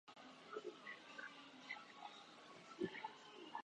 聞いてるこっちが恥ずかしい